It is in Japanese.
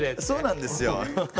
そうなんですよ。